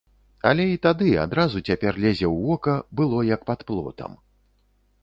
Але і тады, адразу цяпер лезе ў вока, было як пад плотам.